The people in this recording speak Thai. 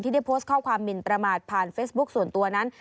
ได้โพสต์ข้อความหมินประมาทผ่านเฟซบุ๊คส่วนตัวนั้น